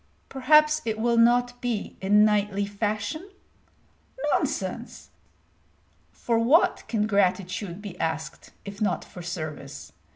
Perhaps it will not be in knightly fashion? Nonsense! for what can gratitude be asked, if not for service?